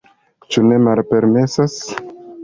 Ĉu ne malpermesas?